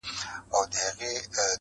پر دې لاره به یې سل ځلی وه وړي.!